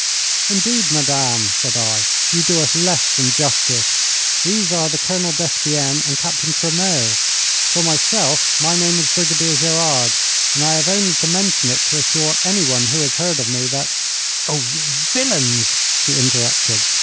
'Indeed, madame,' said I. 'You do us less than justice. These are the Colonel Despienne and Captain Tremeau. For myself, my name is Brigadier Gerard, and I have only to mention it to assure anyone who has heard of me that ' 'Oh, you villains!' she interrupted.